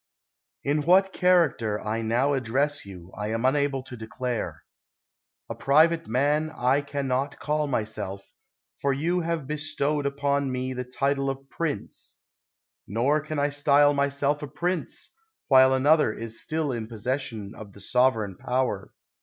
In what character I now address you I am unable to declare. A private man I can not call myself, for you have bestowed upon me the title of prince ; nor can I style myself a prince, while another is still in possession of the sovereign power.